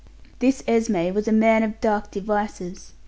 This Esme was a man of dark devices.